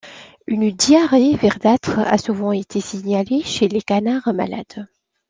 Une diarrhée verdâtre a souvent été signalée chez les canards malades.